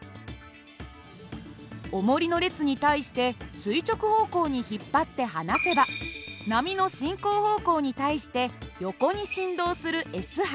おもりの列に対して垂直方向に引っ張って放せば波の進行方向に対して横に振動するＳ波